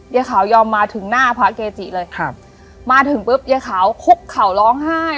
ยายขาวยอมมาถึงหน้าพระเกจิเลยครับมาถึงปุ๊บยายขาวคุกเข่าร้องไห้